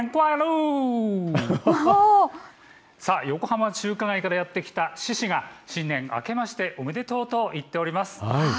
横浜中華街からやって来た獅子が新年あけましておめでとうと言っております。